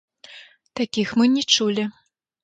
Такіх мы не чулі.